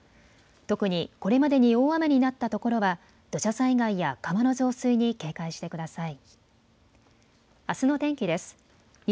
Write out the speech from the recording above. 特にこれまでに大雨になったところは土砂災害や川の増水に警戒してください。